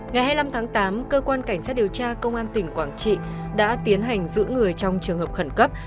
ngày hai mươi năm tháng tám cơ quan cảnh sát điều tra công an tỉnh quảng trị đã tiến hành giữ người trong trường hợp khẩn cấp